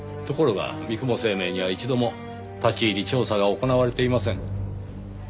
ところが三雲生命には一度も立ち入り調査が行われていません。